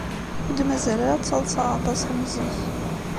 Ur d-mazal ara ttaḍṣaɣ aṭas am zik.